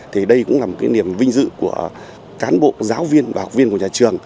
thì đây cũng là một cái niềm vinh dự của cán bộ giáo viên và học viên của nhà trường